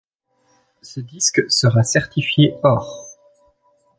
Ce disque sera certifié or.